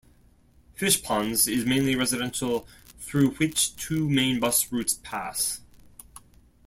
Fishponds is mainly residential through which two main bus routes pass.